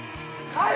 はい！